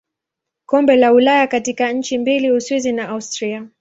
Kombe la Ulaya katika nchi mbili Uswisi na Austria.